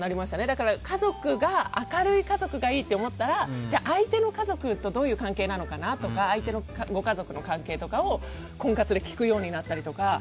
だから、明るい家族がいいって思ったら相手の家族とどういう関係なのかなとか相手のご家族の関係とかを婚活で聞くようになったりとか。